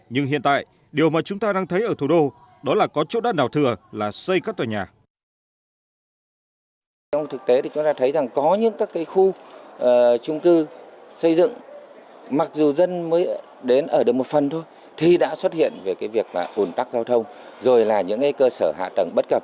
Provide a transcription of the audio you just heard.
nhưng hiện tại điều mà chúng ta đang thấy ở thủ đô đó là có chỗ đất nào thừa là xây các tòa nhà